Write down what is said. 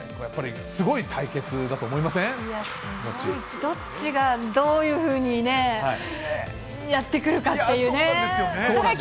やっぱりすごい対決だと思いませどっちがどういうふうにやってくるかっていうね。